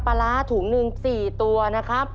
ปลาร้าถุงหนึ่ง๔ตัวนะครับ